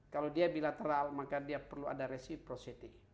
kalau dia bilateral maka dia perlu ada reciprocity